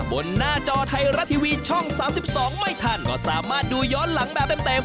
บนหน้าจอไทยรัฐทีวีช่อง๓๒ไม่ทันก็สามารถดูย้อนหลังแบบเต็ม